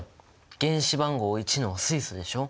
原子番号１の水素でしょ。